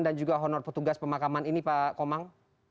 dan juga honor petugas pemakaman ini pak komang